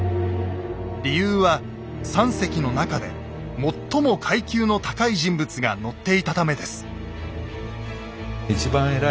理由は３隻の中で最も階級の高い人物が乗っていたためです。